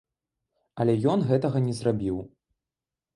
Але ён гэтага не зрабіў.